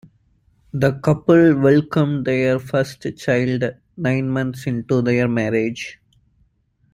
The couple welcomed their first child nine months into their marriage.